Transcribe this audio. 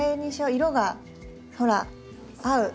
色がほら合う！